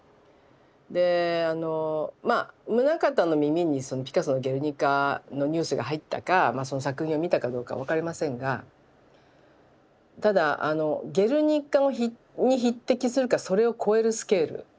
であのまあ棟方の耳にピカソの「ゲルニカ」のニュースが入ったかその作品を見たかどうか分かりませんがただあの「ゲルニカ」に匹敵するかそれを超えるスケール。